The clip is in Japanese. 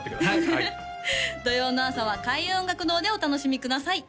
はい土曜の朝は開運音楽堂でお楽しみください